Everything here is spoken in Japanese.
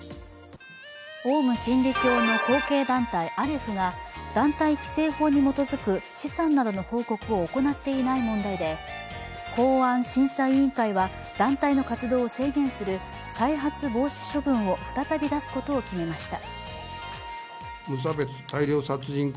オウム真理教の後継団体アレフが団体規制法に基づく資産などの報告を行っていない問題で公安審査委員会は団体の活動を制限する再発防止処分を再び出すことを決めました。